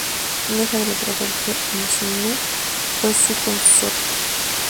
Una hija del Emperador Go-Mizunoo fue su consorte.